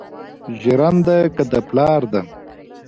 ژرنده که د پلار ده